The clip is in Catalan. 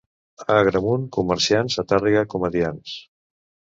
A Agramunt comerciants i a Tàrrega comediants.